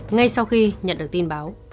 ngay sau khi nhận được tin báo